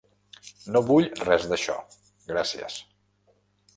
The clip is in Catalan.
No vull res d'això, gràcies.